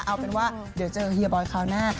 เอาเป็นว่าเดี๋ยวเจอเฮียบอยคราวหน้า